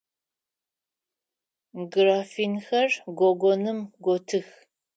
Графинхэр гогоным готых.